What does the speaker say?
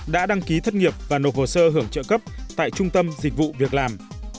đã đăng ký thất nghiệp và nộp hồ sơ hưởng trợ cấp tại trung tâm dịch vụ việc làm